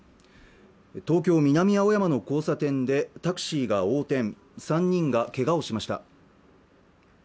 東京南青山の交差点でタクシーが横転３人がけがをしました